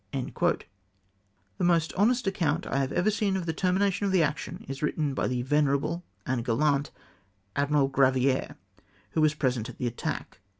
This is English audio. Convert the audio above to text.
The most honest account I have ever seen of the termination of the action, is wiitten by the venerable and gallant Admiral Graviere, who was present at the attack.